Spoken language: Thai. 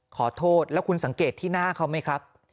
ขอโทษแล้วคุณสังเกตที่หน้าเขาไหมครับ